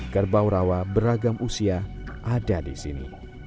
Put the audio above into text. kerbau rawa beragam usia ada di sini